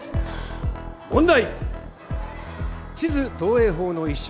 問題。